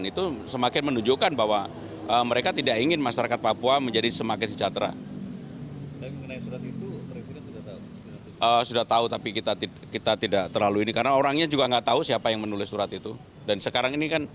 itu semakin menunjukkan bahwa mereka tidak ingin masyarakat papua menjadi semakin sejahtera